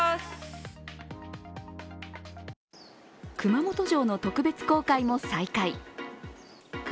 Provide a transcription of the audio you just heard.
熊本城の特別公開も再開。